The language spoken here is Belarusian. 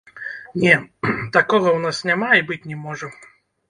Не, такога ў нас няма і быць не можа.